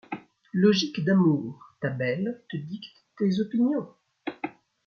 Logique d'amour : ta belle te dicte tes opinions.